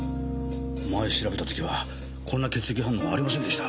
前調べた時はこんな血液反応ありませんでした。